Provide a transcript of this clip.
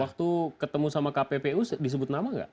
waktu ketemu sama kppu disebut nama nggak